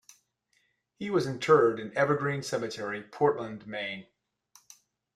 He was interred in Evergreen Cemetery, Portland, Maine.